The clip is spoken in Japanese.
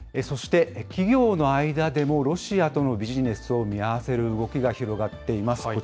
そして企業の間でも、ロシアとのビジネスを見合わせる動きが広がっています。